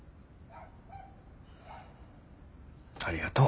ありがとう。